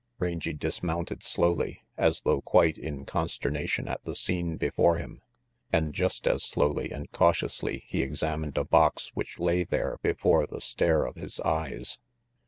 Rangy dismounted slowly, as though quite in con sternation at the scene before him; and just as slowly and cautiously he examined a box which lay there before the stare of his eyes.